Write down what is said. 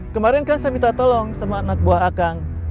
kemarin kan saya minta tolong sama anak buah akang